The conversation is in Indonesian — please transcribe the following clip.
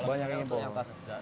banyak yang impor